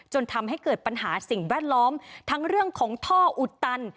จนทำให้เกิดปัญหาสิ่งแวดล้อมทั้งเรื่องของท่ออุดตัน